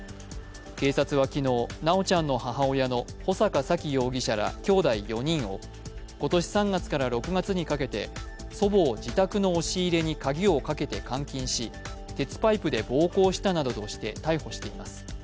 警察は昨日、修ちゃんの母親の穂坂沙喜容疑者らきょうだい４人を今年３月から６月にかけて祖母を自宅の押し入れに鍵をかけて監禁し、鉄パイプで暴行したなどとして逮捕しています。